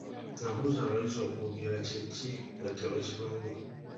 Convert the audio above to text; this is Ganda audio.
Nnabuuza abayizi okwogera kye ki nga tebakimanyi.